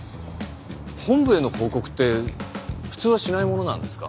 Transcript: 本部への報告って普通はしないものなんですか？